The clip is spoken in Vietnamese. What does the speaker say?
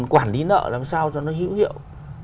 quản lý nợ làm sao cho nó hữu hiệu